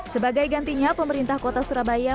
sebagai gantinya pemerintah kota surabaya